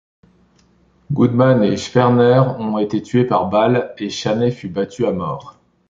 Goodman et Schwerner ont été tués par balles, et Chaney fut battu à mort.